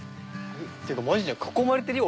っていうかマジで囲まれてるよ